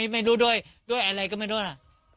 ไม่รู้ด้วยแอลไรก็ไม่รู้นะ